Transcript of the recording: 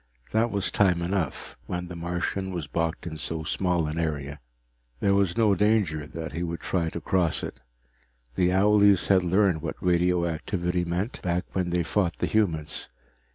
That was time enough, when the Martian was boxed in so small an area. There was no danger that he would try to cross it. The owlies had learned what radioactivity meant, back when they fought the humans.